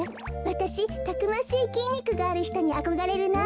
わたしたくましいきんにくがあるひとにあこがれるな。